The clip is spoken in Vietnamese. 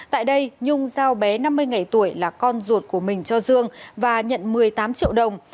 tại đây nhung giao bé năm mươi ngày tuổi là con ruột của mình cho dương và nhận một mươi tám triệu đồng